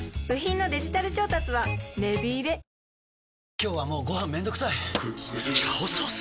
今日はもうご飯めんどくさい「炒ソース」！？